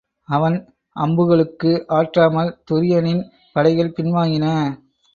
அவன் அம்புகளுக்கு ஆற்றாமல் துரியனின் படைகள் பின்வாங்கின.